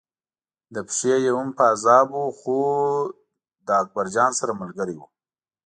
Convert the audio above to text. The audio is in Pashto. له پښې یې هم پازاب و خو له اکبرجان سره ملګری و.